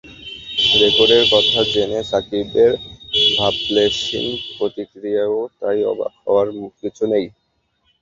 রেকর্ডের কথা জেনে সাকিবের ভাবলেশহীন প্রতিক্রিয়াতেও তাই অবাক হওয়ার কিছু নেই।